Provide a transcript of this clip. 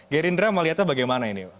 gerindra mau lihatnya bagaimana ini